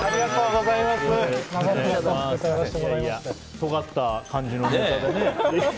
とがった感じのネタでね。